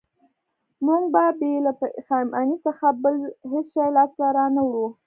موږ به بې له پښېمانۍ څخه بل هېڅ شی لاسته را نه وړو